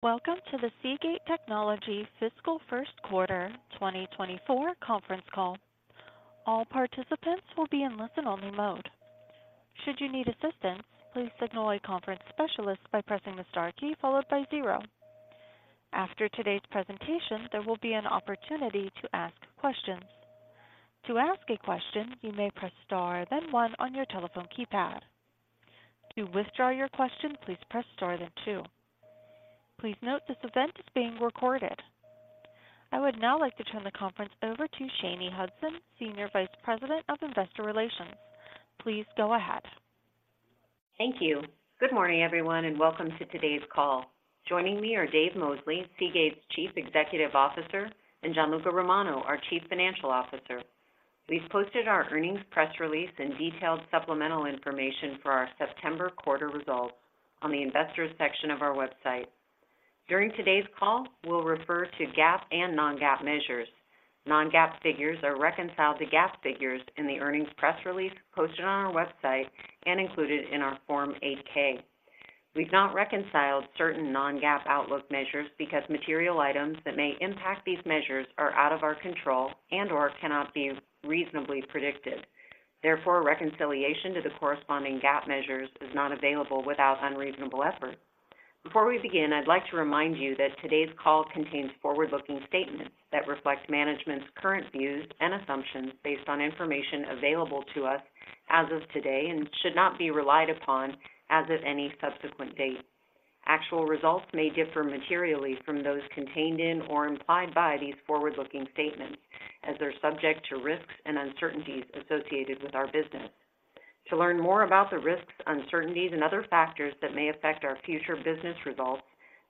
Welcome to the Seagate Technology fiscal first quarter 2024 conference call. All participants will be in listen-only mode. Should you need assistance, please signal a conference specialist by pressing the star key followed by zero. After today's presentation, there will be an opportunity to ask questions. To ask a question, you may press star, then one on your telephone keypad. To withdraw your question, please press star, then two. Please note, this event is being recorded. I would now like to turn the conference over to Shanye Hudson, Senior Vice President of Investor Relations. Please go ahead. Thank you. Good morning, everyone, and welcome to today's call. Joining me are Dave Mosley, Seagate's Chief Executive Officer, and Gianluca Romano, our Chief Financial Officer. We've posted our earnings, press release and detailed supplemental information for our September quarter results on the investors section of our website. During today's call, we'll refer to GAAP and non-GAAP measures. Non-GAAP figures are reconciled to GAAP figures in the earnings press release posted on our website and included in our Form 8-K. We've not reconciled certain non-GAAP outlook measures because material items that may impact these measures are out of our control and, or cannot be reasonably predicted. Therefore, reconciliation to the corresponding GAAP measures is not available without unreasonable effort. Before we begin, I'd like to remind you that today's call contains forward-looking statements that reflect management's current views and assumptions based on information available to us as of today, and should not be relied upon as of any subsequent date. Actual results may differ materially from those contained in or implied by these forward-looking statements, as they're subject to risks and uncertainties associated with our business. To learn more about the risks, uncertainties, and other factors that may affect our future business results,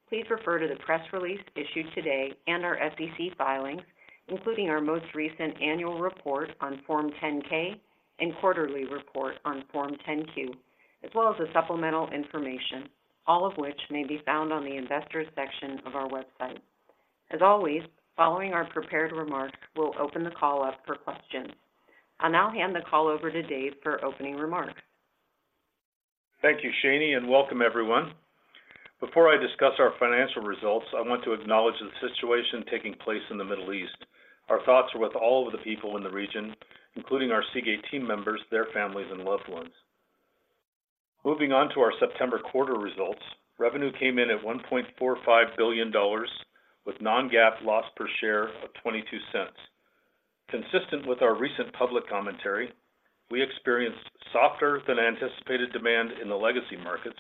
please refer to the press release issued today and our SEC filings, including our most recent annual report on Form 10-K and quarterly report on Form 10-Q, as well as the supplemental information, all of which may be found on the investors section of our website. As always, following our prepared remarks, we'll open the call up for questions. I'll now hand the call over to Dave for opening remarks. Thank you, Shanye, and welcome, everyone. Before I discuss our financial results, I want to acknowledge the situation taking place in the Middle East. Our thoughts are with all of the people in the region, including our Seagate team members, their families and loved ones. Moving on to our September quarter results, revenue came in at $1.45 billion, with non-GAAP loss per share of $0.22. Consistent with our recent public commentary, we experienced softer than anticipated demand in the legacy markets,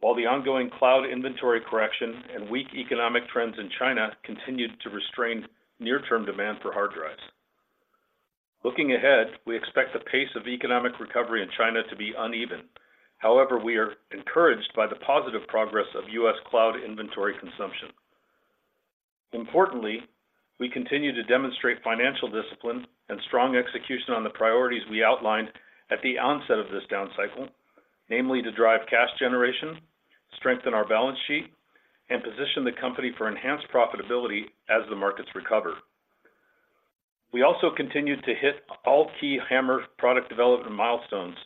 while the ongoing cloud inventory correction and weak economic trends in China continued to restrain near-term demand for hard drives. Looking ahead, we expect the pace of economic recovery in China to be uneven. However, we are encouraged by the positive progress of U.S. cloud inventory consumption. Importantly, we continue to demonstrate financial discipline and strong execution on the priorities we outlined at the onset of this down cycle, namely, to drive cash generation, strengthen our balance sheet, and position the company for enhanced profitability as the markets recover. We also continued to hit all key HAMR product development milestones,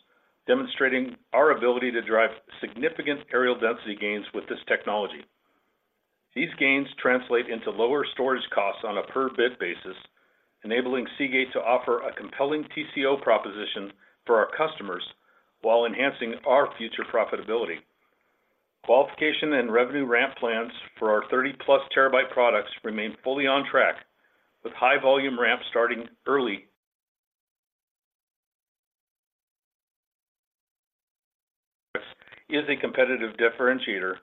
demonstrating our ability to drive significant areal density gains with this technology. These gains translate into lower storage costs on a per bit basis, enabling Seagate to offer a compelling TCO proposition for our customers while enhancing our future profitability. Qualification and revenue ramp plans for our 30+ TB products remain fully on track, with high volume ramp starting early... Is a competitive differentiator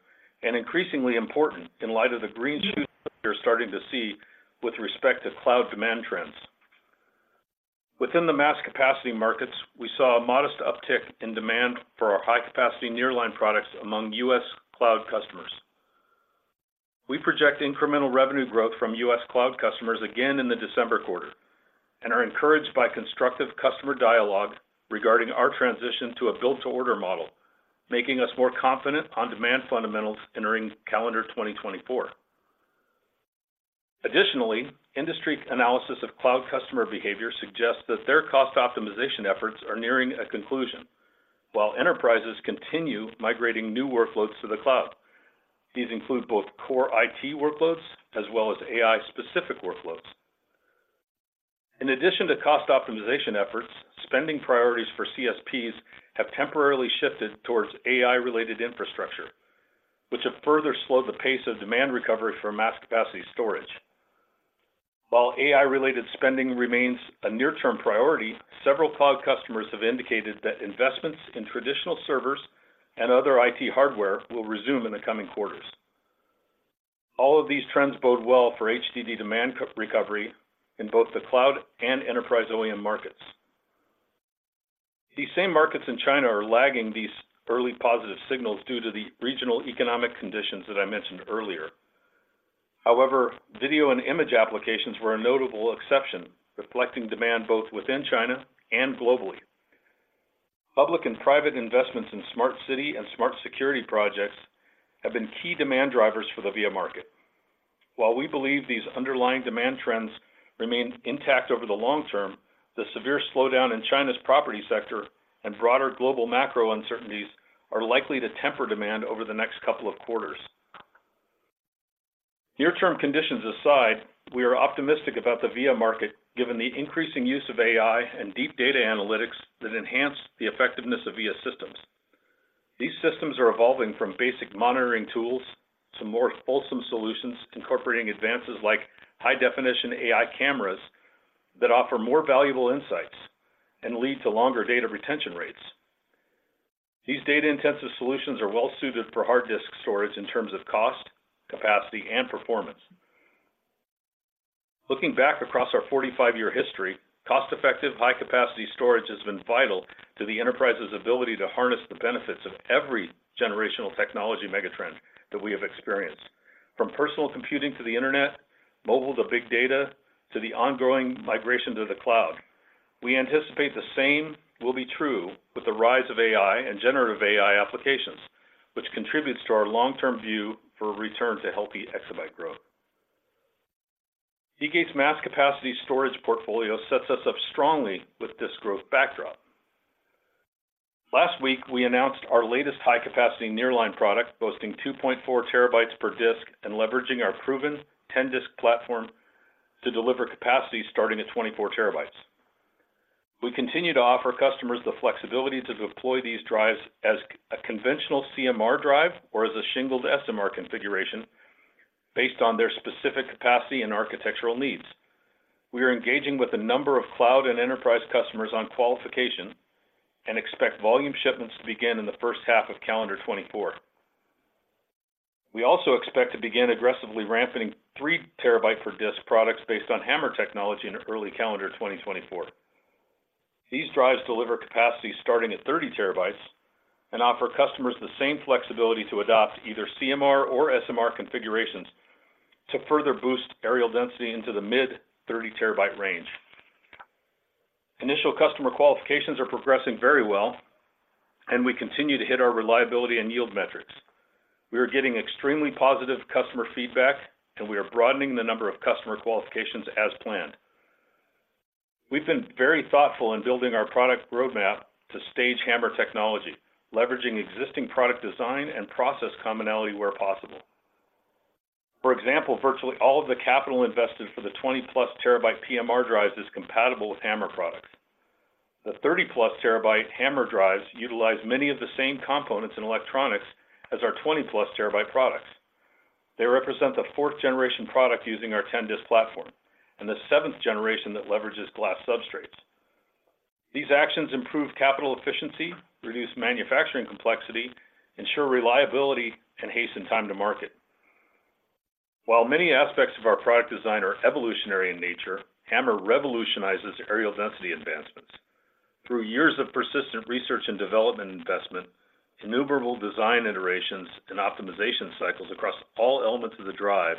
and increasingly important in light of the green shoots we are starting to see with respect to cloud demand trends. Within the mass capacity markets, we saw a modest uptick in demand for our high-capacity nearline products among U.S. cloud customers. We project incremental revenue growth from U.S. cloud customers again in the December quarter and are encouraged by constructive customer dialogue regarding our transition to a build-to-order model, making us more confident on demand fundamentals entering calendar 2024. Additionally, industry analysis of cloud customer behavior suggests that their cost optimization efforts are nearing a conclusion, while enterprises continue migrating new workloads to the cloud. These include both core IT workloads as well as AI-specific workloads. In addition to cost optimization efforts, spending priorities for CSPs have temporarily shifted towards AI-related infrastructure, which have further slowed the pace of demand recovery for mass capacity storage. While AI-related spending remains a near-term priority, several cloud customers have indicated that investments in traditional servers and other IT hardware will resume in the coming quarters. All of these trends bode well for HDD demand recovery in both the cloud and enterprise OEM markets. These same markets in China are lagging these early positive signals due to the regional economic conditions that I mentioned earlier. However, video and image applications were a notable exception, reflecting demand both within China and globally. Public and private investments in smart city and smart security projects have been key demand drivers for the IVA market. While we believe these underlying demand trends remain intact over the long term, the severe slowdown in China's property sector and broader global macro uncertainties are likely to temper demand over the next couple of quarters. Near-term conditions aside, we are optimistic about the IVA market, given the increasing use of AI and deep data analytics that enhance the effectiveness of IVA systems. These systems are evolving from basic monitoring tools to more holistic solutions, incorporating advances like high-definition AI cameras that offer more valuable insights and lead to longer data retention rates. These data-intensive solutions are well-suited for hard disk storage in terms of cost, capacity, and performance. Looking back across our 45-year history, cost-effective, high-capacity storage has been vital to the enterprise's ability to harness the benefits of every generational technology megatrend that we have experienced. From personal computing to the internet, mobile to big data, to the ongoing migration to the cloud, we anticipate the same will be true with the rise of AI and generative AI applications, which contributes to our long-term view for a return to healthy exabyte growth. Seagate's mass capacity storage portfolio sets us up strongly with this growth backdrop. Last week, we announced our latest high-capacity nearline product, boasting 2.4 TB per disk and leveraging our proven 10-disk platform to deliver capacity starting at 24 TB. We continue to offer customers the flexibility to deploy these drives as a conventional CMR drive or as a shingled SMR configuration based on their specific capacity and architectural needs. We are engaging with a number of cloud and enterprise customers on qualification and expect volume shipments to begin in the first half of calendar 2024. We also expect to begin aggressively ramping 3-TB per disk products based on HAMR technology in early calendar 2024. These drives deliver capacity starting at 30 TB and offer customers the same flexibility to adopt either CMR or SMR configurations to further boost areal density into the mid-30 TB range. Initial customer qualifications are progressing very well, and we continue to hit our reliability and yield metrics. We are getting extremely positive customer feedback, and we are broadening the number of customer qualifications as planned. We've been very thoughtful in building our product roadmap to stage HAMR technology, leveraging existing product design and process commonality where possible. For example, virtually all of the capital invested for the 20+ TB PMR drives is compatible with HAMR products. The 30+ TB HAMR drives utilize many of the same components in electronics as our 20+ TB products. They represent the fourth generation product using our 10-disk platform and the seventh generation that leverages glass substrates. These actions improve capital efficiency, reduce manufacturing complexity, ensure reliability, and hasten time to market. While many aspects of our product design are evolutionary in nature, HAMR revolutionizes areal density advancements. Through years of persistent research and development investment, innumerable design iterations, and optimization cycles across all elements of the drive,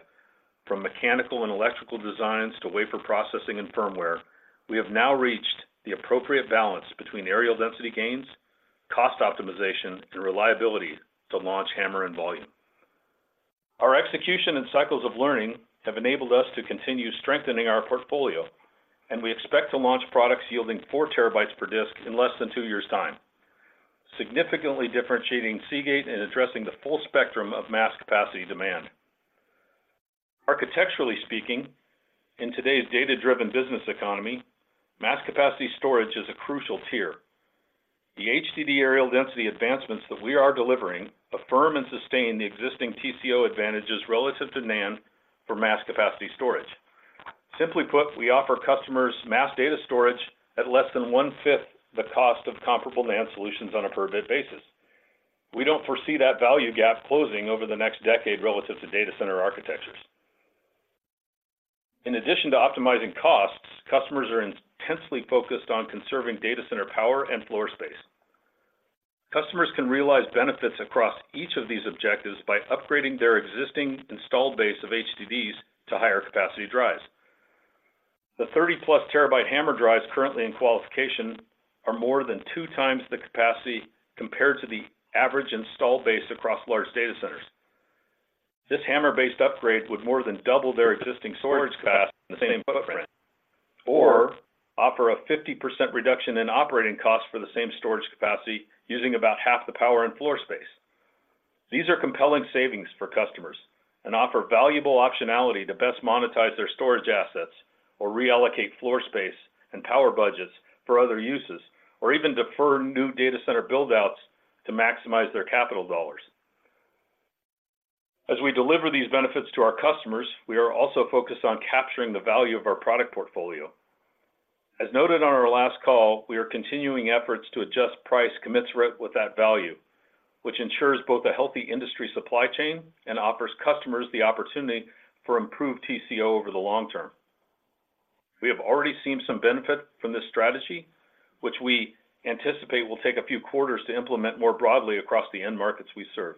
from mechanical and electrical designs to wafer processing and firmware, we have now reached the appropriate balance between areal density gains, cost optimization, and reliability to launch HAMR in volume. Our execution and cycles of learning have enabled us to continue strengthening our portfolio, and we expect to launch products yielding four terabytes per disk in less than two years' time, significantly differentiating Seagate and addressing the full spectrum of mass capacity demand. Architecturally speaking, in today's data-driven business economy, mass capacity storage is a crucial tier. The HDD areal density advancements that we are delivering affirm and sustain the existing TCO advantages relative to NAND for mass capacity storage. Simply put, we offer customers mass data storage at less than 1/5 the cost of comparable NAND solutions on a per bit basis. We don't foresee that value gap closing over the next decade relative to data center architectures. In addition to optimizing costs, customers are intensely focused on conserving data center power and floor space. Customers can realize benefits across each of these objectives by upgrading their existing installed base of HDDs to higher capacity drives. The 30+ TB HAMR drives currently in qualification are more than 2x the capacity compared to the average installed base across large data centers. This HAMR-based upgrade would more than double their existing storage capacity in the same footprint or offer a 50% reduction in operating costs for the same storage capacity, using about half the power and floor space. These are compelling savings for customers and offer valuable optionality to best monetize their storage assets or reallocate floor space and power budgets for other uses, or even defer new data center build-outs to maximize their capital dollars. As we deliver these benefits to our customers, we are also focused on capturing the value of our product portfolio. As noted on our last call, we are continuing efforts to adjust price commensurate with that value, which ensures both a healthy industry supply chain and offers customers the opportunity for improved TCO over the long term. We have already seen some benefit from this strategy, which we anticipate will take a few quarters to implement more broadly across the end markets we serve.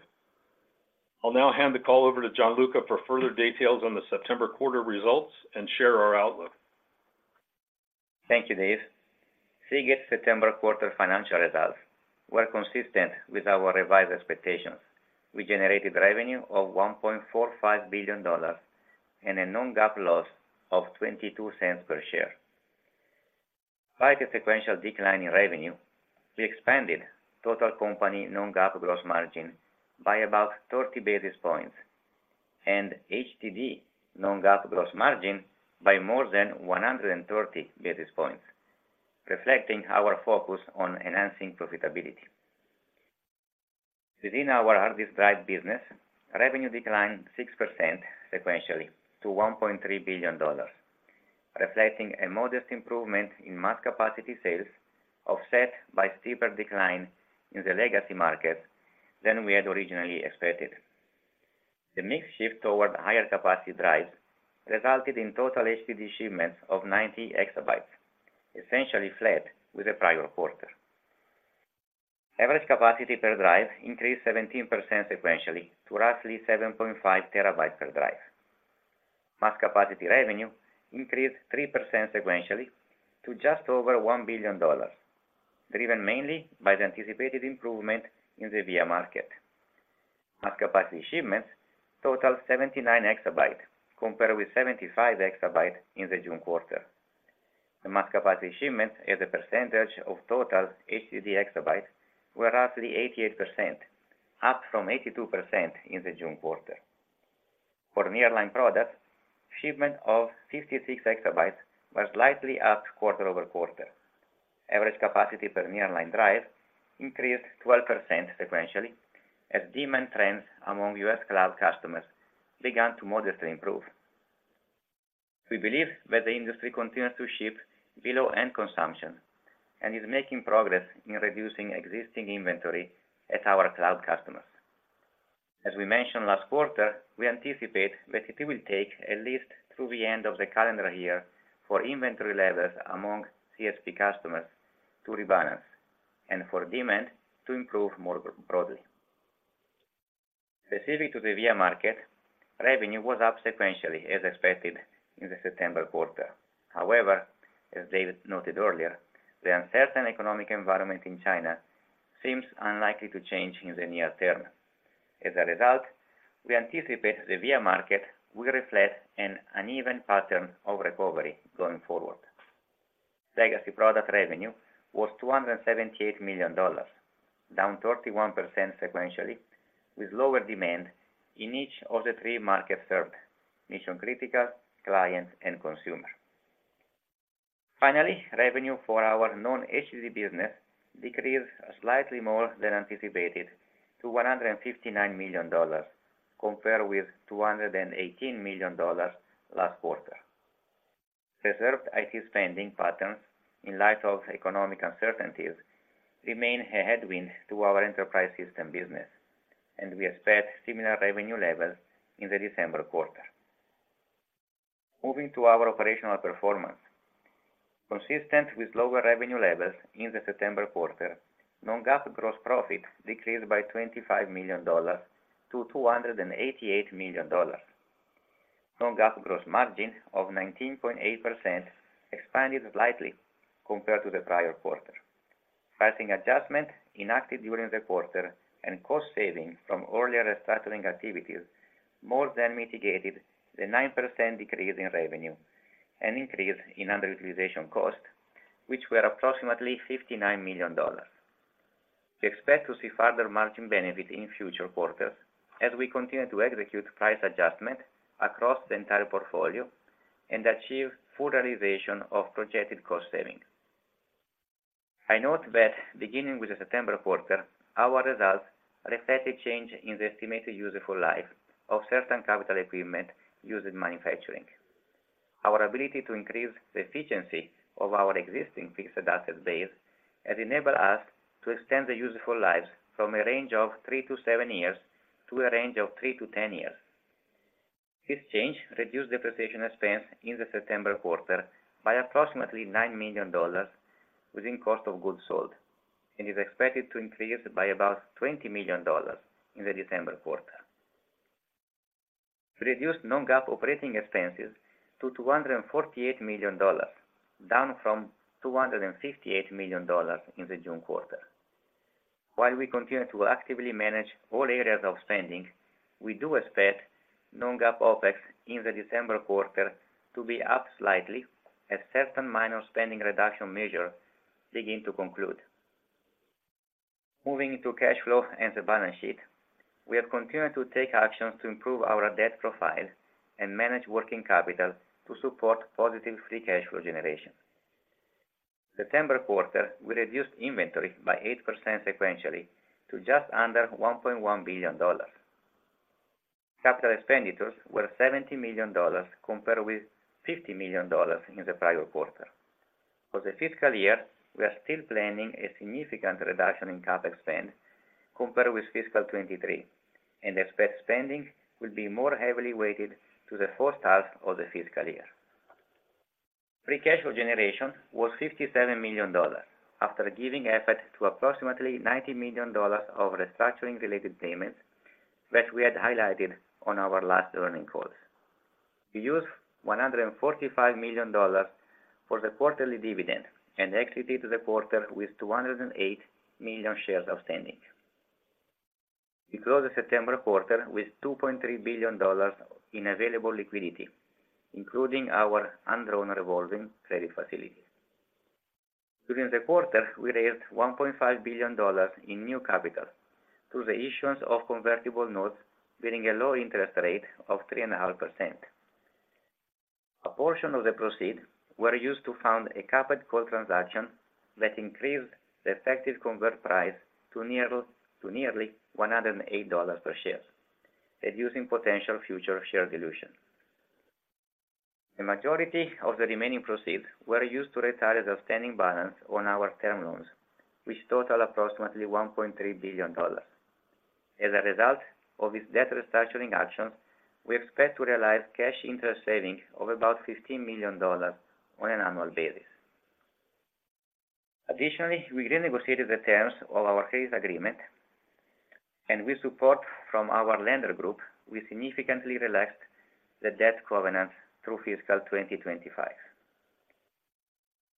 I'll now hand the call over to Gianluca for further details on the September quarter results and share our outlook. Thank you, Dave. Seagate's September quarter financial results were consistent with our revised expectations. We generated revenue of $1.45 billion, and a non-GAAP loss of $0.22 per share. Despite a sequential decline in revenue, we expanded total company non-GAAP gross margin by about 30 basis points, and HDD non-GAAP gross margin by more than 130 basis points, reflecting our focus on enhancing profitability. Within our hard disk drive business, revenue declined 6% sequentially to $1.3 billion, reflecting a modest improvement in mass capacity sales, offset by steeper decline in the legacy market than we had originally expected. The mix shift toward higher capacity drives resulted in total HDD shipments of 90 exabytes, essentially flat with the prior quarter. Average capacity per drive increased 17% sequentially to roughly 7.5 TB per drive. Mass capacity revenue increased 3% sequentially to just over $1 billion, driven mainly by the anticipated improvement in the market. Mass capacity shipments totaled 79 exabytes, compared with 75 exabytes in the June quarter. The mass capacity shipments as a percentage of total HDD exabytes were roughly 88%, up from 82% in the June quarter. For nearline products, shipment of 56 exabytes was slightly up quarter-over-quarter. Average capacity per nearline drive increased 12% sequentially, as demand trends among U.S. cloud customers began to modestly improve. We believe that the industry continues to ship below end consumption and is making progress in reducing existing inventory at our cloud customers. As we mentioned last quarter, we anticipate that it will take at least through the end of the calendar year for inventory levels among CSP customers to rebalance and for demand to improve more broadly. Specific to the IVA market, revenue was up sequentially as expected in the September quarter. However, as David noted earlier, the uncertain economic environment in China seems unlikely to change in the near term. As a result, we anticipate the IVA market will reflect an uneven pattern of recovery going forward. Legacy product revenue was $278 million, down 31% sequentially, with lower demand in each of the three markets served: mission-critical, client, and consumer. Finally, revenue for our non-HDD business decreased slightly more than anticipated to $159 million, compared with $218 million last quarter. Reserved IT spending patterns in light of economic uncertainties remain a headwind to our enterprise system business, and we expect similar revenue levels in the December quarter. Moving to our operational performance. Consistent with lower revenue levels in the September quarter, Non-GAAP gross profit decreased by $25 million to $288 million. Non-GAAP gross margin of 19.8% expanded slightly compared to the prior quarter. Pricing adjustment enacted during the quarter and cost saving from earlier restructuring activities more than mitigated the 9% decrease in revenue and increase in underutilization costs, which were approximately $59 million. We expect to see further margin benefit in future quarters as we continue to execute price adjustment across the entire portfolio and achieve full realization of projected cost savings. I note that beginning with the September quarter, our results reflect a change in the estimated useful life of certain capital equipment used in manufacturing. Our ability to increase the efficiency of our existing fixed asset base has enabled us to extend the useful lives from a range of three to seven years to a range of three to 10 years. This change reduced depreciation expense in the September quarter by approximately $9 million within cost of goods sold, and is expected to increase by about $20 million in the December quarter. We reduced non-GAAP operating expenses to $248 million, down from $258 million in the June quarter. While we continue to actively manage all areas of spending, we do expect non-GAAP OpEx in the December quarter to be up slightly as certain minor spending reduction measures begin to conclude. Moving to cash flow and the balance sheet, we have continued to take actions to improve our debt profile and manage working capital to support positive free cash flow generation. September quarter, we reduced inventory by 8% sequentially to just under $1.1 billion. Capital expenditures were $70 million, compared with $50 million in the prior quarter. For the fiscal year, we are still planning a significant reduction in CapEx spend compared with fiscal 2023, and expect spending will be more heavily weighted to the first half of the fiscal year. Free cash flow generation was $57 million, after giving effect to approximately $90 million of restructuring related payments that we had highlighted on our last earnings call. We used $145 million for the quarterly dividend and exited the quarter with 208 million shares outstanding. We closed the September quarter with $2.3 billion in available liquidity, including our undrawn revolving credit facility. During the quarter, we raised $1.5 billion in new capital through the issuance of convertible notes, bearing a low interest rate of 3.5%. A portion of the proceeds were used to fund a covered call transaction that increased the effective conversion price to nearly $108 per share, reducing potential future share dilution. The majority of the remaining proceeds were used to retire the outstanding balance on our term loans, which total approximately $1.3 billion. As a result of this debt restructuring action, we expect to realize cash interest savings of about $15 million on an annual basis. Additionally, we renegotiated the terms of our credit agreement, and with support from our lender group, we significantly relaxed the debt covenants through fiscal 2025.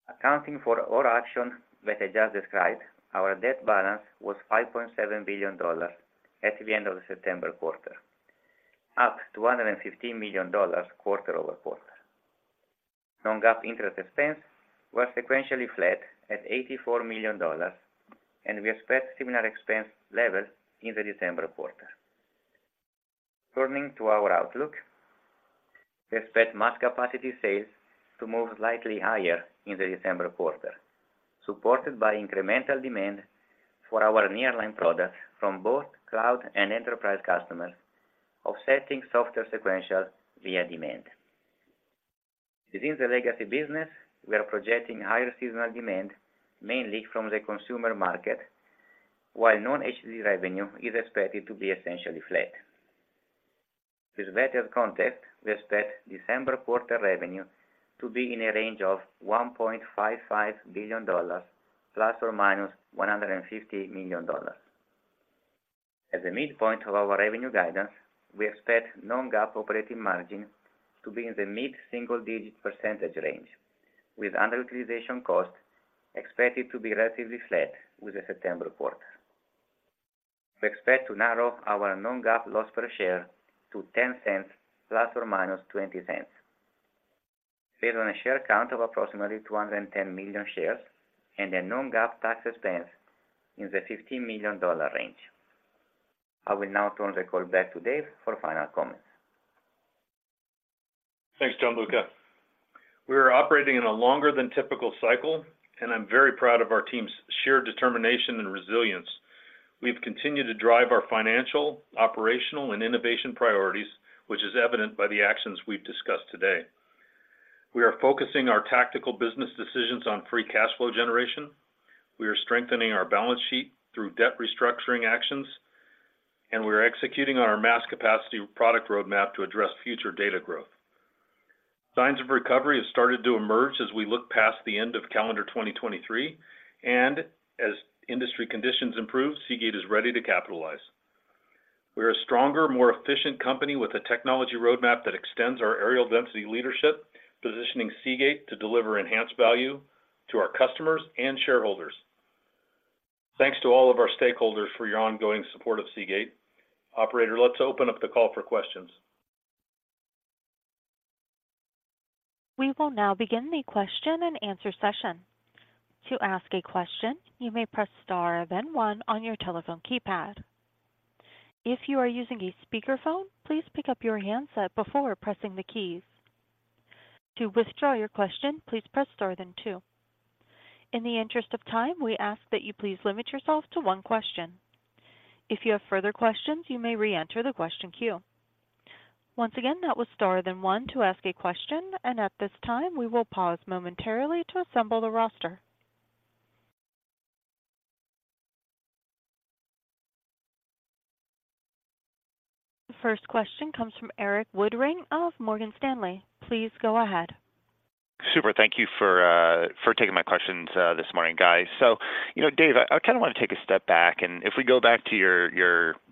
Accounting for all action that I just described, our debt balance was $5.7 billion at the end of the September quarter, up $215 million quarter-over-quarter. Non-GAAP interest expense was sequentially flat at $84 million, and we expect similar expense levels in the December quarter. Turning to our outlook, we expect mass capacity sales to move slightly higher in the December quarter, supported by incremental demand for our nearline products from both cloud and enterprise customers, offsetting softer sequential IVA demand. Within the legacy business, we are projecting higher seasonal demand, mainly from the consumer market, while non-HDD revenue is expected to be essentially flat. With that in context, we expect December quarter revenue to be in a range of $1.55 billion ± $150 million. At the midpoint of our revenue guidance, we expect non-GAAP operating margin to be in the mid-single-digit percentage range, with underutilization costs expected to be relatively flat with the September quarter. We expect to narrow our non-GAAP loss per share to $0.10 ± $0.20, based on a share count of approximately 210 million shares and a non-GAAP tax expense in the $15 million range. I will now turn the call back to Dave for final comments. Thanks, Gianluca. We are operating in a longer than typical cycle, and I'm very proud of our team's sheer determination and resilience. We've continued to drive our financial, operational, and innovation priorities, which is evident by the actions we've discussed today. We are focusing our tactical business decisions on free cash flow generation. We are strengthening our balance sheet through debt restructuring actions, and we are executing on our mass capacity product roadmap to address future data growth. Signs of recovery have started to emerge as we look past the end of calendar 2023, and as industry conditions improve, Seagate is ready to capitalize. We are a stronger, more efficient company with a technology roadmap that extends our areal density leadership, positioning Seagate to deliver enhanced value to our customers and shareholders. Thanks to all of our stakeholders for your ongoing support of Seagate. Operator, let's open up the call for questions. We will now begin the question and answer session. To ask a question, you may press star, then one on your telephone keypad. If you are using a speakerphone, please pick up your handset before pressing the keys. To withdraw your question, please press star then two. In the interest of time, we ask that you please limit yourselves to one question. If you have further questions, you may reenter the question queue. Once again, that was star then one to ask a question, and at this time, we will pause momentarily to assemble the roster. The first question comes from Erik Woodring of Morgan Stanley. Please go ahead. Super. Thank you for taking my questions this morning, guys. So, you know, Dave, I kind of want to take a step back, and if we go back to your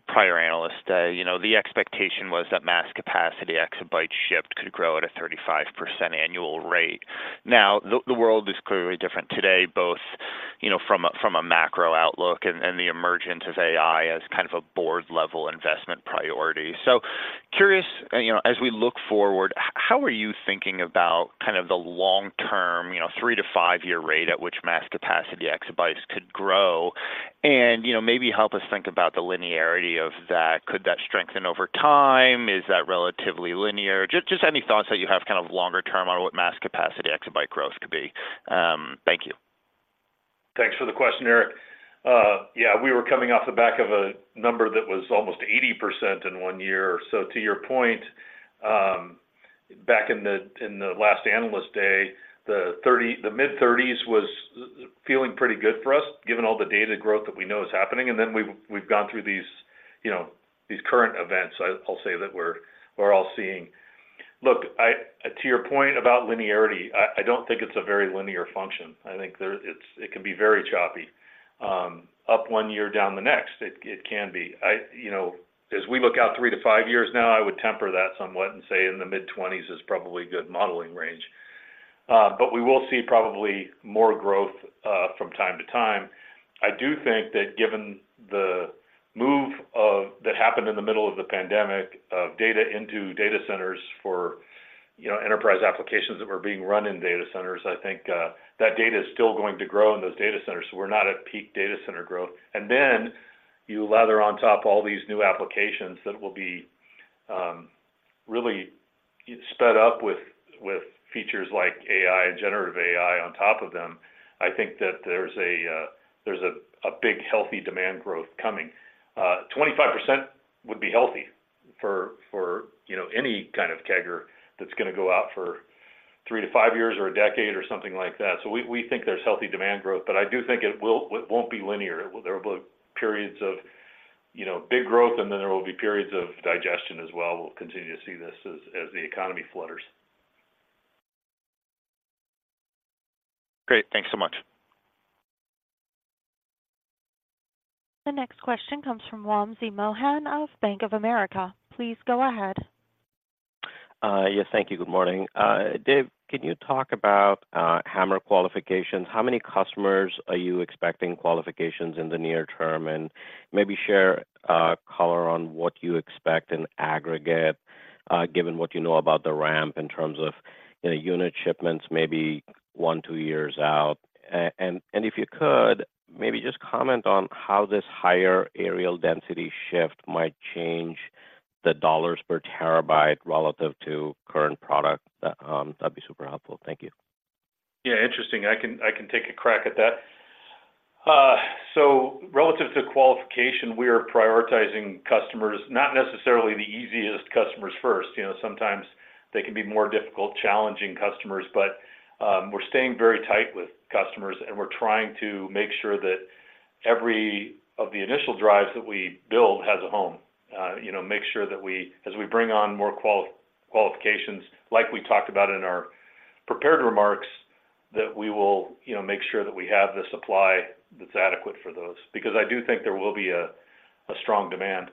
prior analyst day, you know, the expectation was that mass capacity exabyte shift could grow at a 35% annual rate. Now, the world is clearly different today, both, you know, from a macro outlook and the emergence of AI as kind of a board-level investment priority. So curious, you know, as we look forward, how are you thinking about kind of the long-term, you know, three- to five-year rate at which mass capacity exabytes could grow? And, you know, maybe help us think about the linearity of that. Could that strengthen over time? Is that relatively linear? Just, just any thoughts that you have kind of longer term on what mass capacity exabyte growth could be? Thank you. Thanks for the question, Erik. Yeah, we were coming off the back of a number that was almost 80% in one year. So to your point, back in the, in the last Analyst Day, the mid-30s was feeling pretty good for us, given all the data growth that we know is happening. And then we've, we've gone through these, you know, these current events, I, I'll say that we're, we're all seeing. Look, I, to your point about linearity, I, I don't think it's a very linear function. I think there—it's, it can be very choppy, up one year, down the next. It, it can be. I, you know, as we look out three to five years now, I would temper that somewhat and say in the mid-20s is probably good modeling range. But we will see probably more growth from time to time. I do think that given the move that happened in the middle of the pandemic, of data into data centers for, you know, enterprise applications that were being run in data centers, I think that data is still going to grow in those data centers. So we're not at peak data center growth. And then you lather on top all these new applications that will be really sped up with features like AI and generative AI on top of them. I think that there's a big, healthy demand growth coming. 25% would be healthy for, you know, any kind of CAGR that's gonna go out for three to five years or a decade or something like that. So we think there's healthy demand growth, but I do think it will - it won't be linear. There will be periods of, you know, big growth, and then there will be periods of digestion as well. We'll continue to see this as the economy flutters. Great. Thanks so much. The next question comes from Wamsi Mohan of Bank of America. Please go ahead. Yes, thank you. Good morning. Dave, can you talk about HAMR qualifications? How many customers are you expecting qualifications in the near term? And maybe share color on what you expect in aggregate, given what you know about the ramp in terms of, you know, unit shipments, maybe one to two years out. And if you could, maybe just comment on how this higher areal density shift might change the dollars per terabyte relative to current product. That'd be super helpful. Thank you. Yeah, interesting. I can take a crack at that. So relative to qualification, we are prioritizing customers, not necessarily the easiest customers first. You know, sometimes they can be more difficult, challenging customers, but we're staying very tight with customers, and we're trying to make sure that every of the initial drives that we build has a home. You know, make sure that as we bring on more qualifications, like we talked about in our prepared remarks, that we will make sure that we have the supply that's adequate for those, because I do think there will be a strong demand.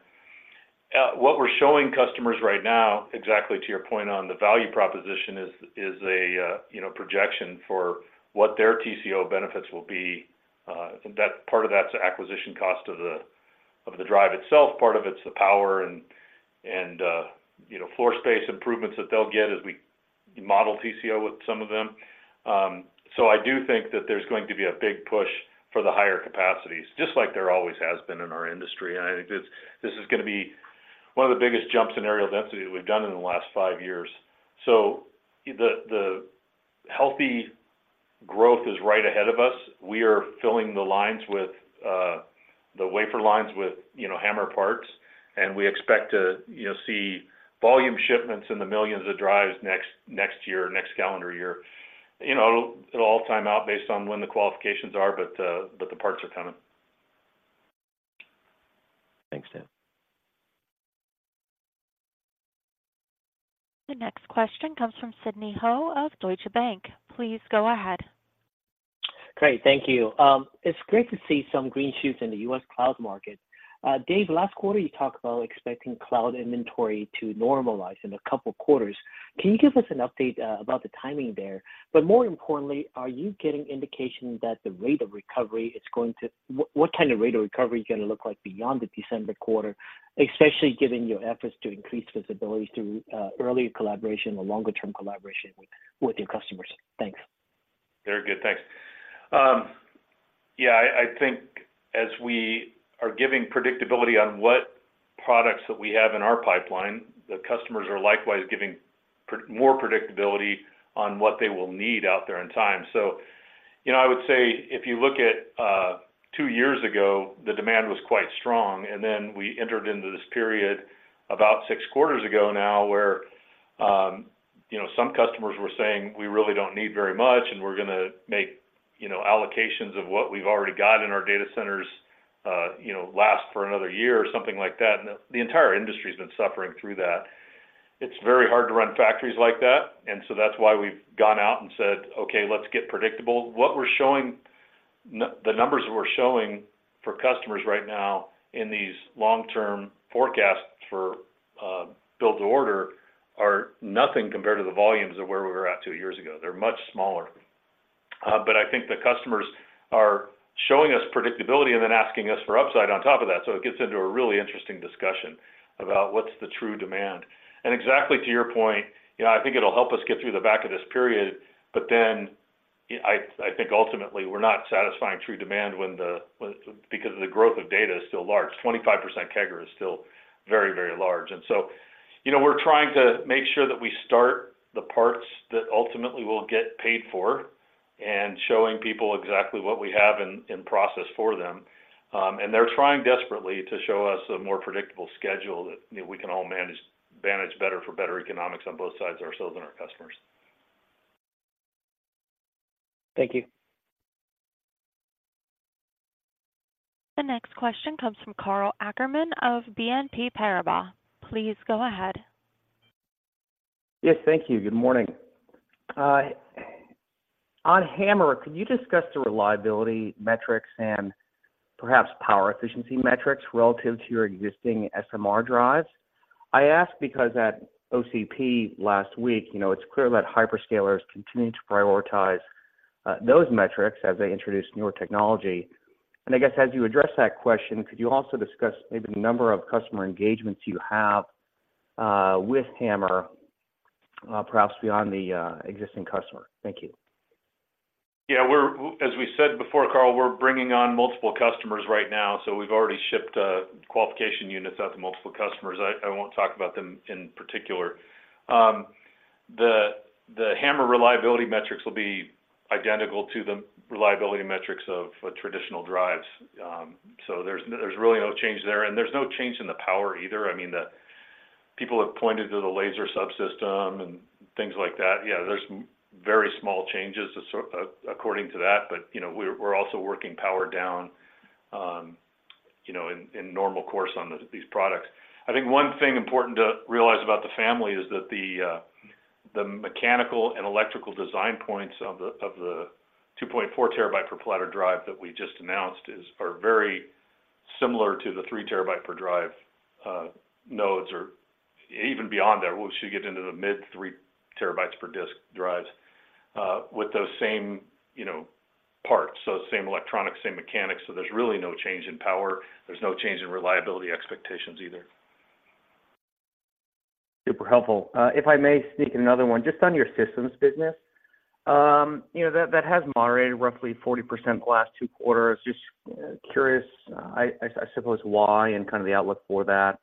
What we're showing customers right now, exactly to your point on the value proposition, is a projection for what their TCO benefits will be. That part of that's the acquisition cost of the drive itself. Part of it's the power and you know, floor space improvements that they'll get as we model TCO with some of them. So I do think that there's going to be a big push for the higher capacities, just like there always has been in our industry. And I think this is gonna be one of the biggest jumps in areal density we've done in the last five years. So the healthy growth is right ahead of us. We are filling the lines with the wafer lines with you know, HAMR parts, and we expect to you know, see volume shipments in the millions of drives next year, next calendar year. You know, it'll all time out based on when the qualifications are, but, but the parts are coming. Thanks, Dave. The next question comes from Sidney Ho of Deutsche Bank. Please go ahead. Great. Thank you. It's great to see some green shoots in the U.S. cloud market. Dave, last quarter, you talked about expecting cloud inventory to normalize in a couple of quarters. Can you give us an update about the timing there? But more importantly, are you getting indication that the rate of recovery is going to—What kind of rate of recovery is gonna look like beyond the December quarter, especially given your efforts to increase visibility through earlier collaboration or longer-term collaboration with your customers? Thanks. Very good. Thanks. Yeah, I think as we are giving predictability on what products that we have in our pipeline, the customers are likewise giving more predictability on what they will need out there in time. So, you know, I would say if you look at two years ago, the demand was quite strong, and then we entered into this period about six quarters ago now, where, you know, some customers were saying, "We really don't need very much, and we're gonna make, you know, allocations of what we've already got in our data centers, you know, last for another year or something like that." And the entire industry has been suffering through that. It's very hard to run factories like that, and so that's why we've gone out and said, "Okay, let's get predictable." What we're showing the numbers we're showing for customers right now in these long-term forecasts for build to order are nothing compared to the volumes of where we were at two years ago. They're much smaller. But I think the customers are showing us predictability and then asking us for upside on top of that. So it gets into a really interesting discussion about what's the true demand. And exactly to your point, you know, I think it'll help us get through the back of this period, but then I think ultimately we're not satisfying true demand because the growth of data is still large. 25% CAGR is still very, very large. And so, you know, we're trying to make sure that we start the parts that ultimately will get paid for, and showing people exactly what we have in process for them. And they're trying desperately to show us a more predictable schedule that, you know, we can all manage better for better economics on both sides, ourselves and our customers. Thank you. The next question comes from Karl Ackerman of BNP Paribas. Please go ahead. Yes, thank you. Good morning. On HAMR, could you discuss the reliability metrics and perhaps power efficiency metrics relative to your existing SMR drives? I ask because at OCP last week, you know, it's clear that hyperscalers continue to prioritize those metrics as they introduce newer technology. And I guess as you address that question, could you also discuss maybe the number of customer engagements you have with HAMR, perhaps beyond the existing customer? Thank you. Yeah, we're. As we said before, Karl, we're bringing on multiple customers right now, so we've already shipped qualification units out to multiple customers. I won't talk about them in particular. The HAMR reliability metrics will be identical to the reliability metrics of traditional drives. So there's really no change there, and there's no change in the power either. I mean, the people have pointed to the laser subsystem and things like that. Yeah, there's very small changes, so according to that, but you know, we're also working power down, you know, in normal course on these products. I think one thing important to realize about the family is that the mechanical and electrical design points of the 2.4 TB per platter drive that we just announced are very similar to the 3 TB per drive nodes, or even beyond that. We should get into the mid-3 TB per disk drives with those same, you know, parts, so same electronics, same mechanics. So there's really no change in power. There's no change in reliability expectations either. Super helpful. If I may sneak in another one, just on your systems business. You know, that has moderated roughly 40% the last two quarters. Just curious, I suppose, why, and kind of the outlook for that,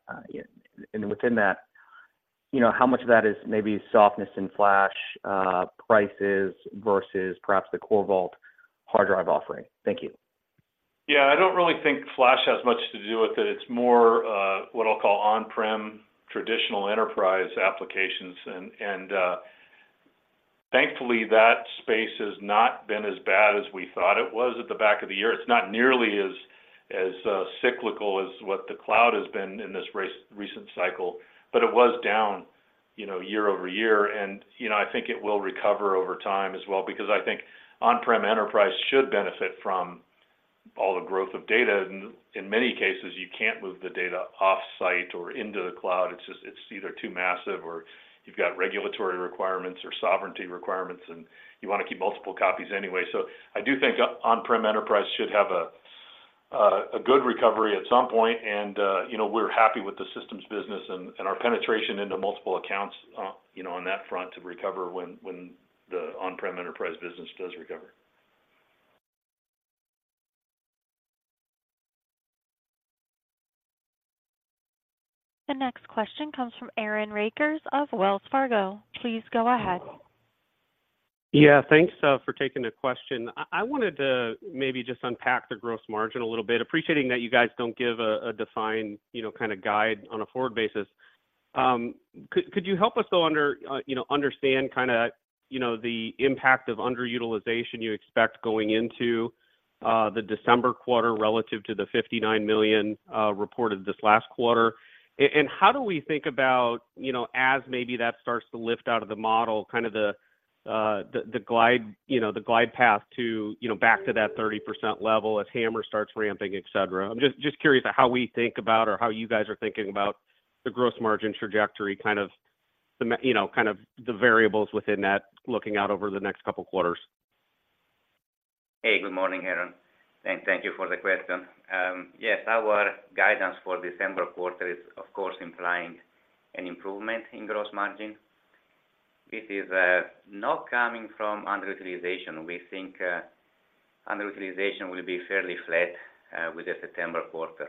and within that, you know, how much of that is maybe softness in flash prices versus perhaps the CORVAULT hard drive offering? Thank you. Yeah, I don't really think flash has much to do with it. It's more, what I'll call on-prem traditional enterprise applications, and, thankfully, that space has not been as bad as we thought it was at the back of the year. It's not nearly as, as, cyclical as what the cloud has been in this recent cycle, but it was down, you know, year-over-year. And, you know, I think it will recover over time as well, because I think on-prem enterprise should benefit from all the growth of data. In many cases, you can't move the data off-site or into the cloud. It's just, it's either too massive or you've got regulatory requirements or sovereignty requirements, and you want to keep multiple copies anyway. So I do think on-prem enterprise should have a good recovery at some point, and you know, we're happy with the systems business and our penetration into multiple accounts, you know, on that front to recover when the on-prem enterprise business does recover. The next question comes from Aaron Rakers from Wells Fargo. Please go ahead. Yeah, thanks for taking the question. I wanted to maybe just unpack the gross margin a little bit, appreciating that you guys don't give a defined, you know, kind of guide on a forward basis. Could you help us, though, you know, understand kind of, you know, the impact of underutilization you expect going into the December quarter relative to the $59 million reported this last quarter? And how do we think about, you know, as maybe that starts to lift out of the model, kind of the glide path to, you know, back to that 30% level as HAMR starts ramping, et cetera? I'm just curious how we think about or how you guys are thinking about the gross margin trajectory, you know, kind of the variables within that, looking out over the next couple quarters. Hey, good morning, Aaron, and thank you for the question. Yes, our guidance for December quarter is, of course, implying an improvement in gross margin. It is not coming from underutilization. We think underutilization will be fairly flat with the September quarter,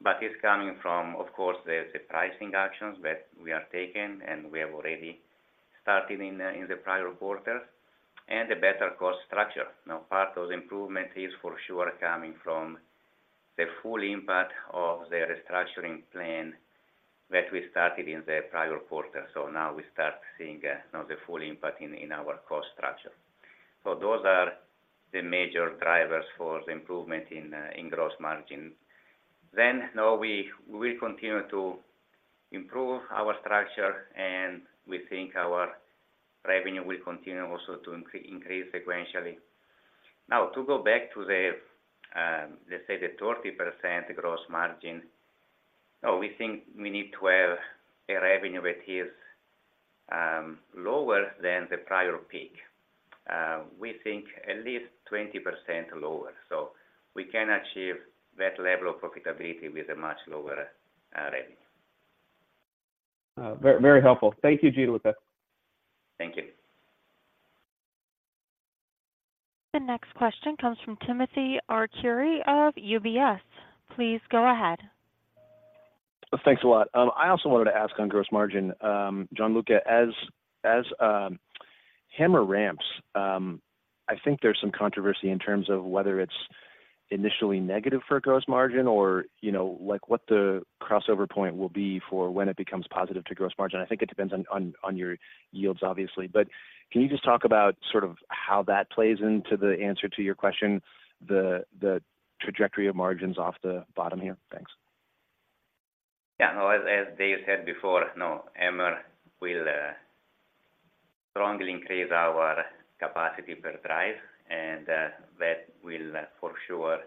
but it's coming from, of course, the pricing actions that we are taking, and we have already started in the prior quarter, and a better cost structure. Now, part of the improvement is for sure coming from the full impact of the restructuring plan that we started in the prior quarter. So now we start seeing the full impact in our cost structure. So those are the major drivers for the improvement in gross margin. Then, now we continue to improve our structure, and we think our revenue will continue also to increase sequentially. Now, to go back to the, let's say, 30% gross margin, we think we need to have a revenue that is lower than the prior peak, we think at least 20% lower, so we can achieve that level of profitability with a much lower revenue. Very, very helpful. Thank you, Gianluca. Thank you. The next question comes from Timothy Arcuri of UBS. Please go ahead. Thanks a lot. I also wanted to ask on gross margin, Gianluca, as HAMR ramps, I think there's some controversy in terms of whether it's initially negative for gross margin or, you know, like, what the crossover point will be for when it becomes positive to gross margin. I think it depends on your yields, obviously. But can you just talk about sort of how that plays into the answer to your question, the trajectory of margins off the bottom here? Thanks. Yeah, no, as Dave said before, no, HAMR will strongly increase our capacity per drive, and that will for sure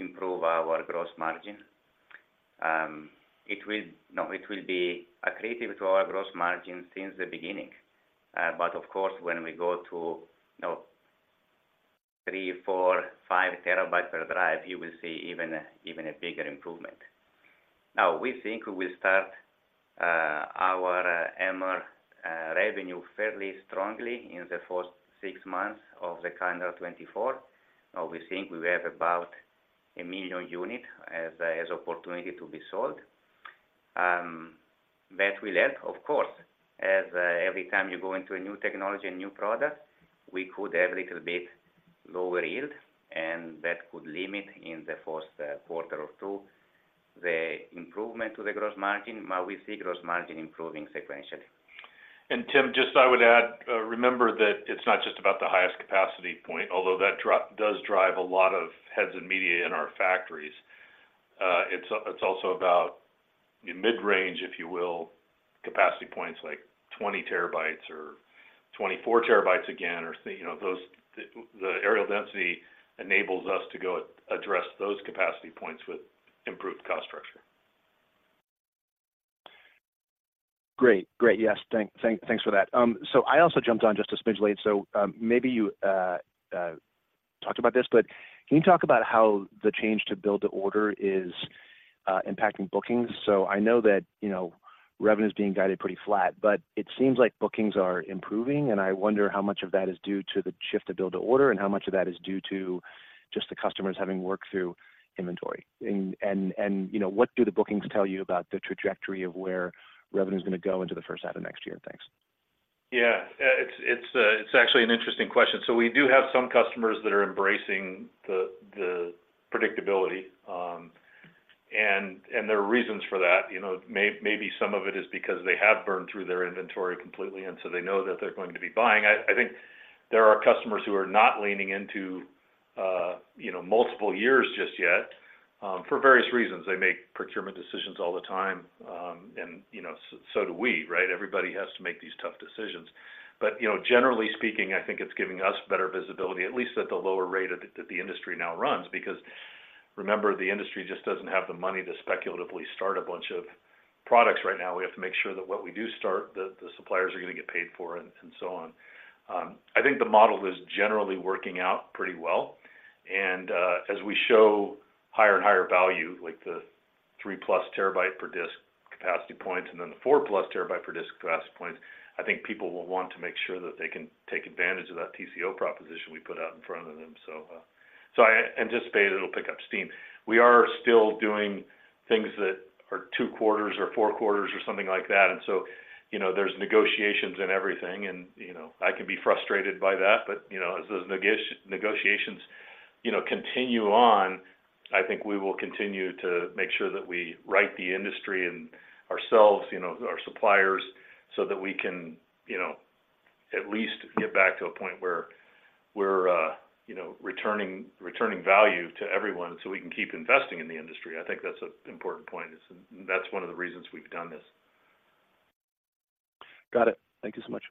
improve our gross margin. It will, no, it will be accretive to our gross margin since the beginning. Of course, when we go to, you know, 3 TB, 4 TB, 5 TB per drive, you will see even a bigger improvement. Now, we think we will start our HAMR revenue fairly strongly in the first six months of the calendar 2024. We think we have about 1 million units as opportunity to be sold. That will help, of course, as every time you go into a new technology, a new product, we could have a little bit lower yield, and that could limit in the first quarter or two, the improvement to the gross margin, but we see gross margin improving sequentially. And Tim, just I would add, remember that it's not just about the highest capacity point, although that drive does drive a lot of heads and media in our factories. It's also about mid-range, if you will, capacity points, like 20 TB or 24 TB again, or, you know, those, the areal density enables us to go address those capacity points with improved cost structure. Great. Great. Yes, thanks for that. So I also jumped on just to speculate. So, maybe you talked about this, but can you talk about how the change to build to order is impacting bookings? So I know that, you know, revenue is being guided pretty flat, but it seems like bookings are improving, and I wonder how much of that is due to the shift to build to order, and how much of that is due to just the customers having worked through inventory. And, you know, what do the bookings tell you about the trajectory of where revenue is going to go into the first half of next year? Thanks. Yeah, it's actually an interesting question. So we do have some customers that are embracing the predictability, and there are reasons for that. You know, maybe some of it is because they have burned through their inventory completely, and so they know that they're going to be buying. I think there are customers who are not leaning into, you know, multiple years just yet, for various reasons. They make procurement decisions all the time, and, you know, so do we, right? Everybody has to make these tough decisions. But, you know, generally speaking, I think it's giving us better visibility, at least at the lower rate that the industry now runs. Because remember, the industry just doesn't have the money to speculatively start a bunch of products right now. We have to make sure that what we do start, the suppliers are going to get paid for and so on. I think the model is generally working out pretty well, and as we show higher and higher value, like the 3+ TB per disk capacity points and then the 4+ TB per disk capacity points, I think people will want to make sure that they can take advantage of that TCO proposition we put out in front of them. So, so I anticipate it'll pick up steam. We are still doing things that are two quarters or four quarters or something like that, and so, you know, there's negotiations and everything, and you know, I can be frustrated by that. But, you know, as those negotiations, you know, continue on, I think we will continue to make sure that we right the industry and ourselves, you know, our suppliers, so that we can, you know, at least get back to a point where we're, you know, returning value to everyone so we can keep investing in the industry. I think that's an important point. That's one of the reasons we've done this. Got it. Thank you so much.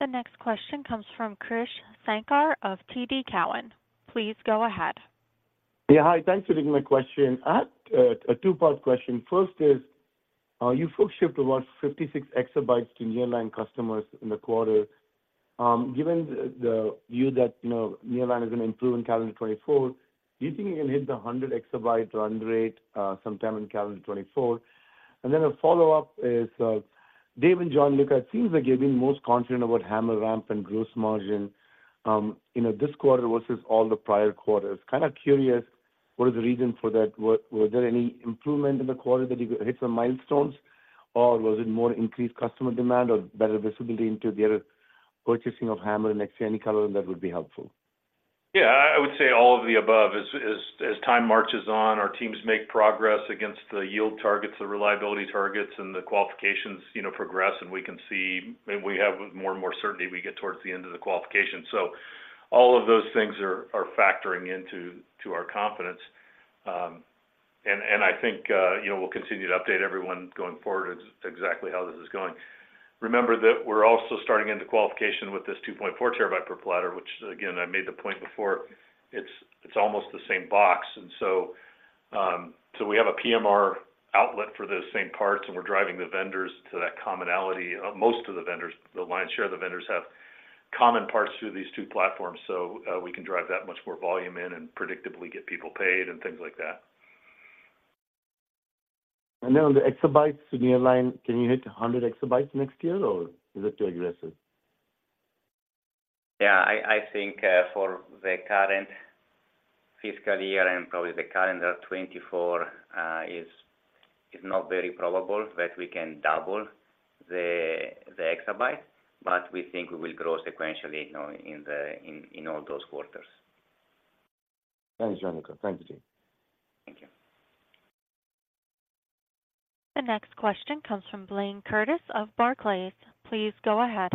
The next question comes from Krish Sankar of TD Cowen. Please go ahead. Yeah, hi. Thanks for taking my question. I have a two-part question. First is, you folks shipped about 56 exabytes to nearline customers in the quarter. Given the view that, you know, nearline is going to improve in calendar 2024, do you think you can hit the 100 exabyte run rate sometime in calendar 2024? And then a follow-up is, Dave and Gianluca, it seems like you've been most confident about HAMR ramp and gross margin, you know, this quarter versus all the prior quarters. Kind of curious, what is the reason for that? Was there any improvement in the quarter that you hit some milestones, or was it more increased customer demand or better visibility into the other purchasing of HAMR next year? Any color on that would be helpful. Yeah, I would say all of the above. As time marches on, our teams make progress against the yield targets, the reliability targets, and the qualifications, you know, progress, and we can see, and we have more and more certainty we get towards the end of the qualification. So all of those things are factoring into our confidence. And I think, you know, we'll continue to update everyone going forward as to exactly how this is going. Remember that we're also starting into qualification with this 2.4 TB per platter, which again, I made the point before, it's almost the same box. And so we have a PMR outlet for those same parts, and we're driving the vendors to that commonality. Most of the vendors, the lion's share of the vendors have common parts through these two platforms, so, we can drive that much more volume in and predictably get people paid and things like that. And then on the exabyte Nearline, can you hit 100 exabytes next year, or is it too aggressive? Yeah, I think for the current fiscal year and probably the calendar 2024 is not very probable that we can double the exabytes, but we think we will grow sequentially, you know, in all those quarters. Thanks, Gianluca. Thank you, Dave. Thank you. The next question comes from Blayne Curtis of Barclays. Please go ahead.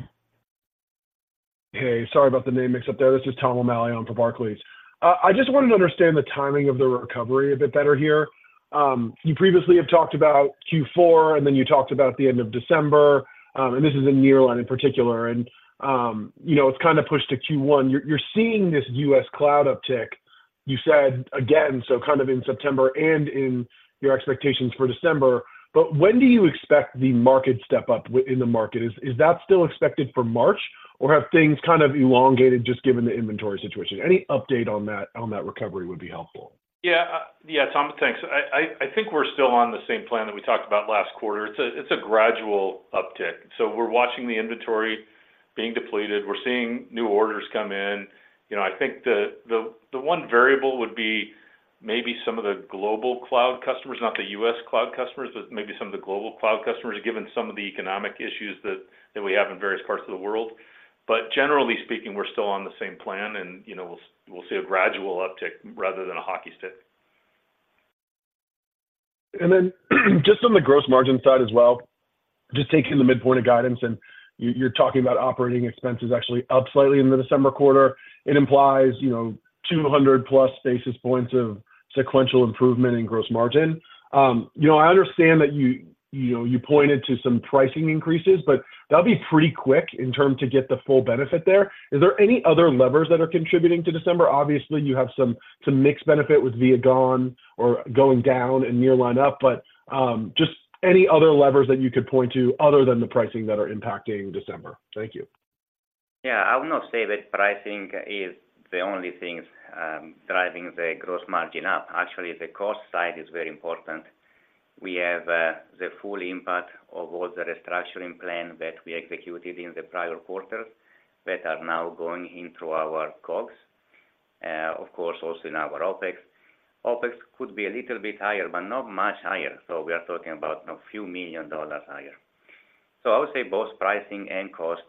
Hey, sorry about the name mix up there. This is Tom O'Malley on for Barclays. I just wanted to understand the timing of the recovery a bit better here. You previously have talked about Q4, and then you talked about the end of December, and this is in Nearline in particular, and, you know, it's kind of pushed to Q1. You're seeing this U.S. cloud uptick, you said again, so kind of in September and in your expectations for December. But when do you expect the market step up in the market? Is that still expected for March, or have things kind of elongated just given the inventory situation? Any update on that, on that recovery would be helpful. Yeah. Yeah, Tom, thanks. I think we're still on the same plan that we talked about last quarter. It's a gradual uptick, so we're watching the inventory being depleted. We're seeing new orders come in. You know, I think the one variable would be maybe some of the global cloud customers, not the U.S. cloud customers, but maybe some of the global cloud customers, given some of the economic issues that we have in various parts of the world. But generally speaking, we're still on the same plan and, you know, we'll see a gradual uptick rather than a hockey stick. Then, just on the gross margin side as well, just taking the midpoint of guidance, and you, you're talking about operating expenses actually up slightly in the December quarter. It implies, you know, 200+ basis points of sequential improvement in gross margin. You know, I understand that you, you know, you pointed to some pricing increases, but that'll be pretty quick in turn to get the full benefit there. Is there any other levers that are contributing to December? Obviously, you have some mixed benefit with IVA gone or going down and Nearline up, but, just any other levers that you could point to other than the pricing that are impacting December? Thank you. Yeah, I would not say that pricing is the only things driving the gross margin up. Actually, the cost side is very important. We have the full impact of all the restructuring plan that we executed in the prior quarters that are now going into our costs, of course, also in our OpEx. OpEx could be a little bit higher, but not much higher. So we are talking about $ a few million higher. So I would say both pricing and cost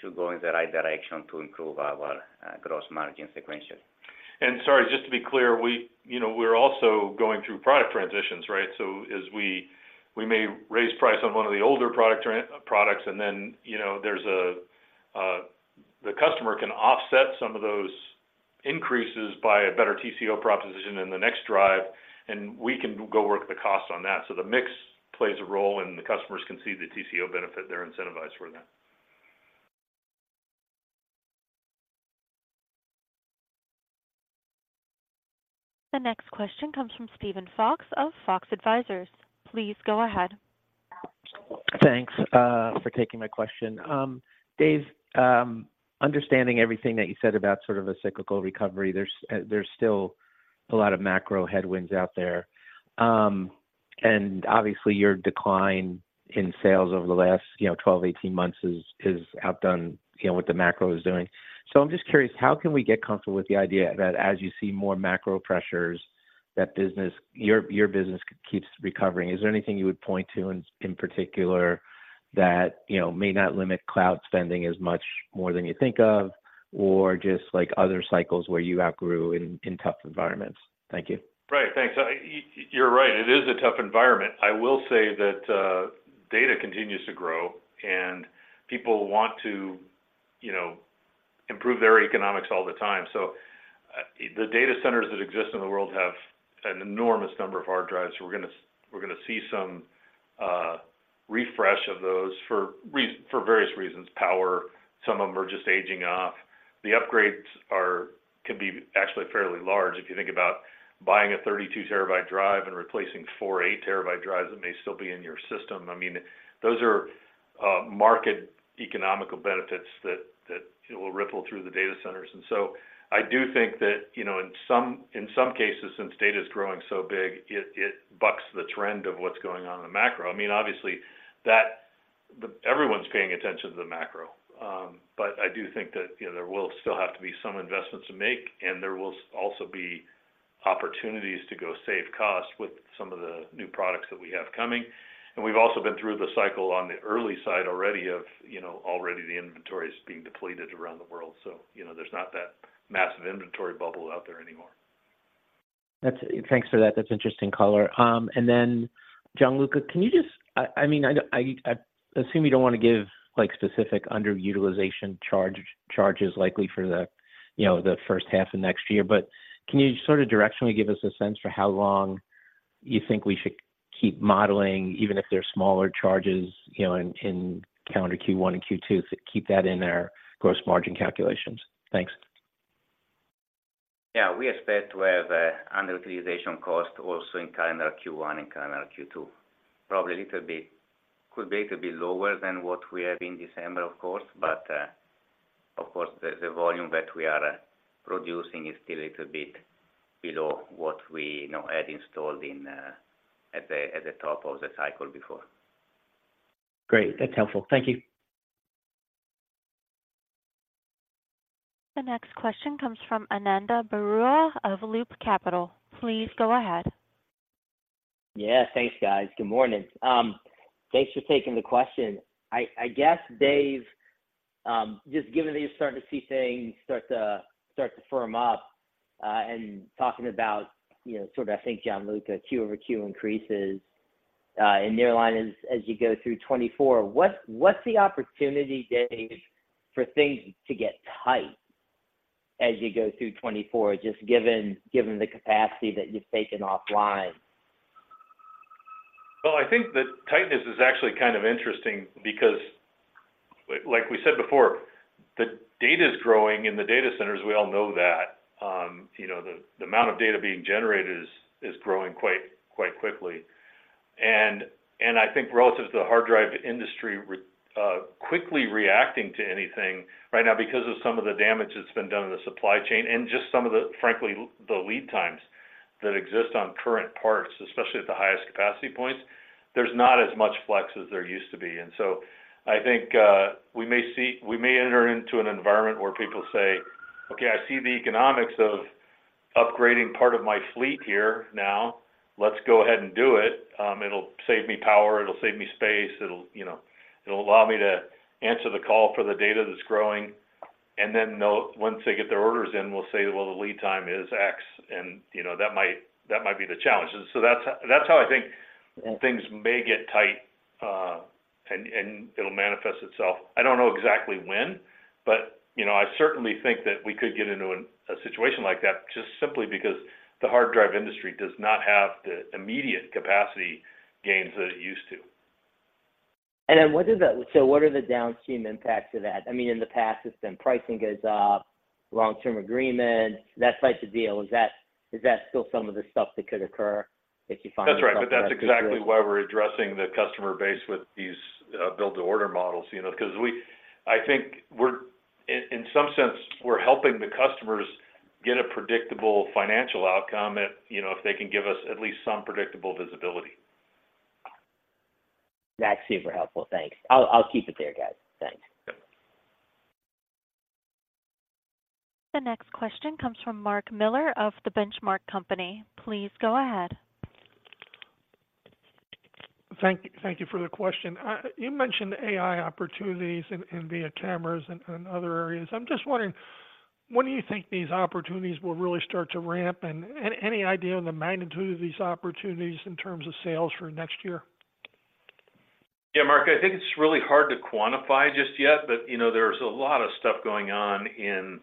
should go in the right direction to improve our gross margin sequentially. And sorry, just to be clear, we, you know, we're also going through product transitions, right? So as we, we may raise price on one of the older products, and then, you know, there's a, the customer can offset some of those increases by a better TCO proposition in the next drive, and we can go work the cost on that. So the mix plays a role, and the customers can see the TCO benefit. They're incentivized for that. The next question comes from Steven Fox of Fox Advisors. Please go ahead. Thanks, for taking my question. Dave, understanding everything that you said about sort of a cyclical recovery, there's still a lot of macro headwinds out there. And obviously your decline in sales over the last, you know, 12-18 months is outdone, you know, what the macro is doing. So I'm just curious, how can we get comfortable with the idea that as you see more macro pressures, that business... your business keeps recovering? Is there anything you would point to in particular that, you know, may not limit cloud spending as much more than you think of, or just like other cycles where you outgrew in tough environments? Thank you. Right. Thanks. You're right, it is a tough environment. I will say that, data continues to grow, and people want to, you know, improve their economics all the time. So, the data centers that exist in the world have an enormous number of hard drives. We're gonna see some refresh of those for various reasons, power, some of them are just aging off. The upgrades can be actually fairly large. If you think about buying a 32-TB drive and replacing four 8-TB drives, that may still be in your system. I mean, those are market economical benefits that will ripple through the data centers. And so I do think that, you know, in some cases, since data is growing so big, it bucks the trend of what's going on in the macro. I mean, obviously, that everyone's paying attention to the macro. But I do think that, you know, there will still have to be some investments to make, and there will also be opportunities to go save costs with some of the new products that we have coming. And we've also been through the cycle on the early side already of, you know, already the inventory is being depleted around the world, so you know, there's not that massive inventory bubble out there anymore. Thanks for that. That's interesting color. And then Gianluca, can you just... I mean, I assume you don't want to give, like, specific underutilization charge, charges likely for the, you know, the first half of next year, but can you sort of directionally give us a sense for how long you think we should keep modeling, even if they're smaller charges, you know, in calendar Q1 and Q2, to keep that in our gross margin calculations? Thanks. Yeah, we expect to have a underutilization cost also in calendar Q1 and calendar Q2. Probably a little bit, could be a little bit lower than what we have in December, of course, but, of course, the volume that we are producing is still a little bit below what we now had installed in at the top of the cycle before. Great. That's helpful. Thank you. The next question comes from Ananda Baruah of Loop Capital. Please go ahead. Yeah, thanks, guys. Good morning. Thanks for taking the question. I guess, Dave-... Just given that you're starting to see things start to firm up, and talking about, you know, sort of, I think, Gianluca, Q over Q increases in nearline as you go through 2024, what's the opportunity days for things to get tight as you go through 2024, just given the capacity that you've taken offline? Well, I think the tightness is actually kind of interesting because like we said before, the data is growing, and the data centers, we all know that. You know, the amount of data being generated is growing quite quickly. And I think relative to the hard drive industry quickly reacting to anything right now because of some of the damage that's been done in the supply chain and just some of the, frankly, the lead times that exist on current parts, especially at the highest capacity points, there's not as much flex as there used to be. And so I think we may see we may enter into an environment where people say, "Okay, I see the economics of upgrading part of my fleet here now. Let's go ahead and do it. It'll save me power, it'll save me space, it'll, you know, it'll allow me to answer the call for the data that's growing. And then they'll, once they get their orders in, we'll say, "Well, the lead time is X," and, you know, that might, that might be the challenge. So that's, that's how I think things may get tight, and, and it'll manifest itself. I don't know exactly when, but, you know, I certainly think that we could get into an, a situation like that just simply because the hard drive industry does not have the immediate capacity gains that it used to. And then what does that... So what are the downstream impacts of that? I mean, in the past, it's been pricing goes up, long-term agreements, that type of deal. Is that, is that still some of the stuff that could occur if you find- That's right. But that's exactly why we're addressing the customer base with these build-to-order models, you know, 'cause I think we're, in some sense, we're helping the customers get a predictable financial outcome if, you know, if they can give us at least some predictable visibility. That's super helpful. Thanks. I'll keep it there, guys. Thanks. Okay. The next question comes from Mark Miller of The Benchmark Company. Please go ahead. Thank you for the question. You mentioned AI opportunities in IVA cameras and other areas. I'm just wondering, when do you think these opportunities will really start to ramp, and any idea on the magnitude of these opportunities in terms of sales for next year? Yeah, Mark, I think it's really hard to quantify just yet, but, you know, there's a lot of stuff going on in,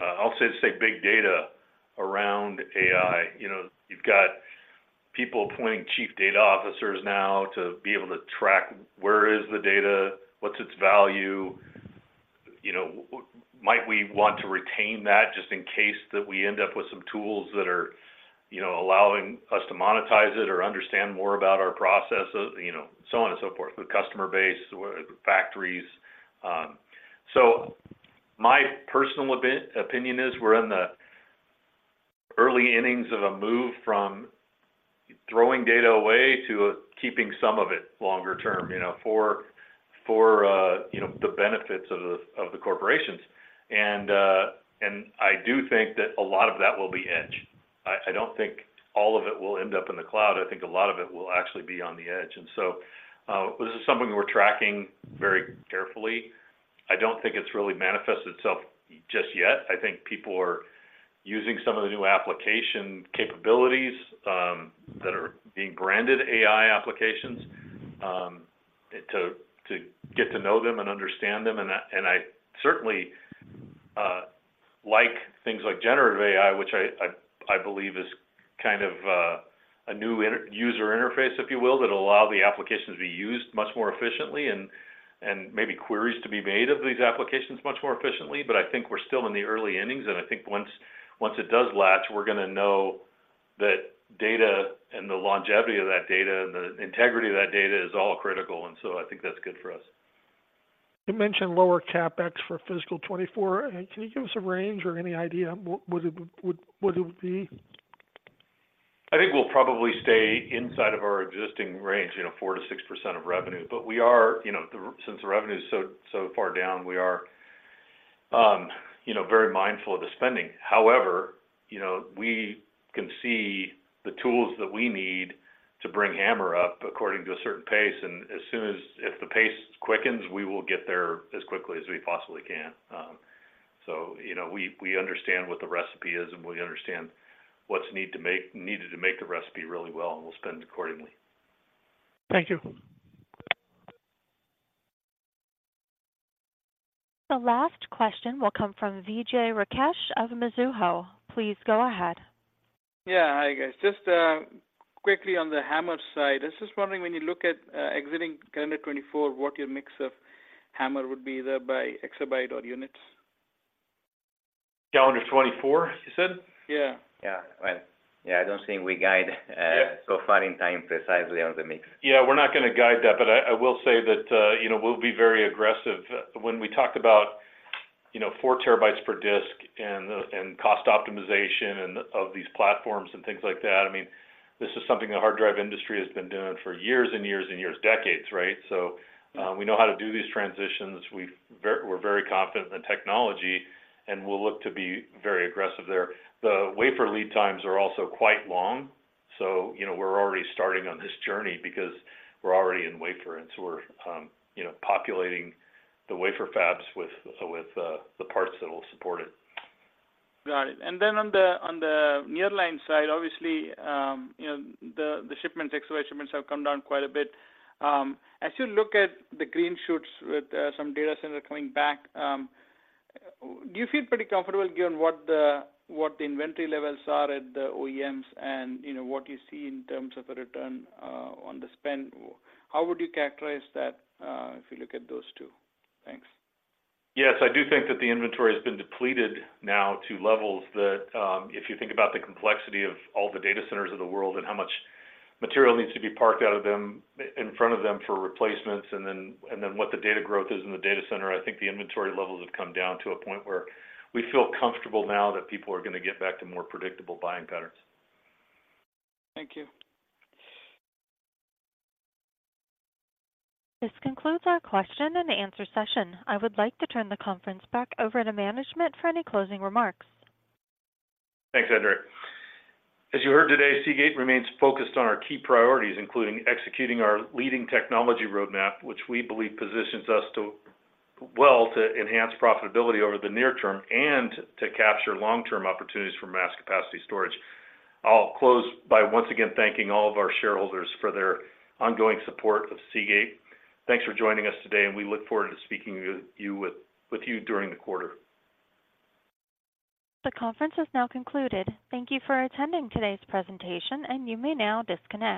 I'll say, big data around AI. You know, you've got people appointing Chief Data Officers now to be able to track where is the data, what's its value, you know, might we want to retain that just in case that we end up with some tools that are, you know, allowing us to monetize it or understand more about our processes, you know, so on and so forth, the customer base, factories. So my personal opinion is we're in the early innings of a move from throwing data away to keeping some of it longer term, you know, for, for, you know, the benefits of the, of the corporations. I do think that a lot of that will be edge. I don't think all of it will end up in the cloud. I think a lot of it will actually be on the edge. And so, this is something we're tracking very carefully. I don't think it's really manifested itself just yet. I think people are using some of the new application capabilities that are being branded AI applications to get to know them and understand them. And I certainly like things like generative AI, which I believe is kind of a new inter-user interface, if you will, that allow the applications to be used much more efficiently and maybe queries to be made of these terms much more efficiently. But I think we're still in the early innings, and I think once it does latch, we're gonna know that data and the longevity of that data and the integrity of that data is all critical, and so I think that's good for us. You mentioned lower CapEx for fiscal 2024. Can you give us a range or any idea what it would be? I think we'll probably stay inside of our existing range, you know, 4%-6% of revenue. But we are, you know, since the revenue is so, so far down, we are, you know, very mindful of the spending. However, you know, we can see the tools that we need to bring HAMR up according to a certain pace, and as soon as—if the pace quickens, we will get there as quickly as we possibly can. So, you know, we understand what the recipe is, and we understand what's needed to make the recipe really well, and we'll spend accordingly. Thank you. The last question will come from Vijay Rakesh of Mizuho. Please go ahead. Yeah. Hi, guys. Just quickly on the HAMR side, I was just wondering, when you look at exiting calendar 2024, what your mix of HAMR would be, either by exabyte or units? Calendar 2024, you said? Yeah. Yeah. Well, yeah, I don't think we guide, Yeah.... so far in time precisely on the mix. Yeah, we're not gonna guide that, but I will say that, you know, we'll be very aggressive. When we talked about, you know, 4 TB per disk and cost optimization and of these platforms and things like that, I mean, this is something the hard drive industry has been doing for years and years and years, decades, right? So- Mm-hmm. We know how to do these transitions. We're very confident in the technology, and we'll look to be very aggressive there. The wafer lead times are also quite long, so you know, we're already starting on this journey because we're already in wafer. And so we're, you know, populating the wafer fabs with the parts that will support it. Got it. And then on the nearline side, obviously, you know, the shipments, exabyte shipments have come down quite a bit. As you look at the green shoots with some data center coming back, do you feel pretty comfortable given what the inventory levels are at the OEMs and, you know, what you see in terms of the return on the spend? How would you characterize that if you look at those two? Thanks. Yes, I do think that the inventory has been depleted now to levels that, if you think about the complexity of all the data centers of the world and how much material needs to be parked out of them, in front of them for replacements, and then, and then what the data growth is in the data center, I think the inventory levels have come down to a point where we feel comfortable now that people are gonna get back to more predictable buying patterns. Thank you. This concludes our question and answer session. I would like to turn the conference back over to management for any closing remarks. Thanks, Andrea. As you heard today, Seagate remains focused on our key priorities, including executing our leading technology roadmap, which we believe positions us to, well, to enhance profitability over the near term and to capture long-term opportunities for mass capacity storage. I'll close by once again thanking all of our shareholders for their ongoing support of Seagate. Thanks for joining us today, and we look forward to speaking with you during the quarter. The conference has now concluded. Thank you for attending today's presentation, and you may now disconnect.